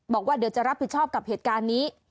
บอกว่าเดี๋ยวจะรับผิดชอบกับเหตุการณ์นี้